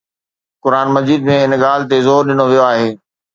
قرآن مجيد ۾ ان ڳالهه تي زور ڏنو ويو آهي